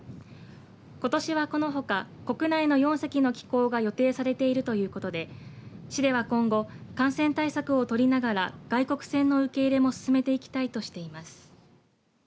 ことしはこのほか国内の４隻の寄港が予定されているということで市では今後、感染対策を取りながら外国船の受け入れも進めていきたいとしています。